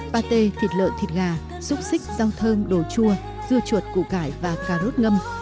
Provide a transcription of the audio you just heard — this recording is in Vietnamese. pate thịt lợn thịt gà xúc xích rau thơm đồ chua dưa chuột củ cải và cà rốt ngâm